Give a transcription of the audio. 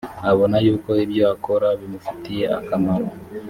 abona yuko ibyo akora bimufitiye akamaro